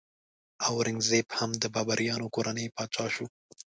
اورنګ زیب هم د بابریانو کورنۍ پاچا شو.